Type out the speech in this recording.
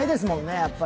やっぱり。